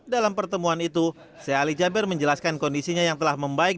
dalam pertemuan itu sheikh ali jaber menjelaskan kondisinya yang telah membaik